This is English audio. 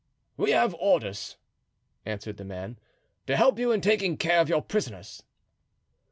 "We have had orders," answered the man, "to help you in taking care of your prisoners."